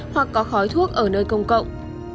hoặc có khói thuốc ở nơi công cộng